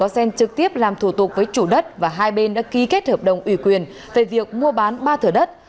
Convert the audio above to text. xen trực tiếp làm thủ tục với chủ đất và hai bên đã ký kết hợp đồng ủy quyền về việc mua bán ba thửa đất